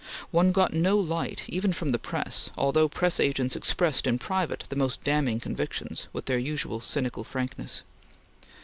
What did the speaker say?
One got no light, even from the press, although press agents expressed in private the most damning convictions with their usual cynical frankness.